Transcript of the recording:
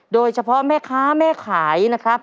โดยเฉพาะแม่ค้าแม่ขายนะครับ